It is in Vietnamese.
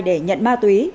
để nhận ma túy